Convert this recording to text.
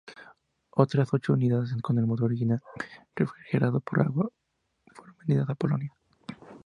Otras ocho unidades con el motor original refrigerado por agua fueron vendidas a Polonia.